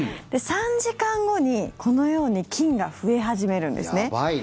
３時間後に、このように菌が増え始めるんですね。